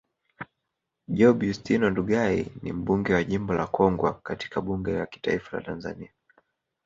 Job Yustino Ndugai ni mbunge wa jimbo la Kongwa katika bunge la kitaifa Tanzania